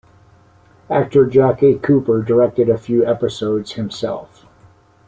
Actor Jackie Cooper directed a few episodes himself.